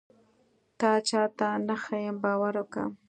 تا چاته نه ښيم باور وکه.